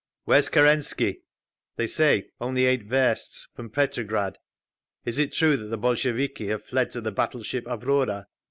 Where's Kerensky?" "They say only eight versts from Petrograd…. Is it true that the Bolsheviki have fled to the battleship _Avrora?"